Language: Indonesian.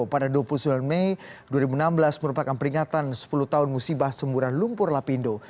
pada dua puluh sembilan mei dua ribu enam belas merupakan peringatan sepuluh tahun musibah semburan lumpur lapindo